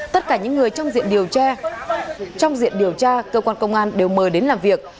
tất cả những người trong diện điều tra cơ quan công an đều mời đến làm việc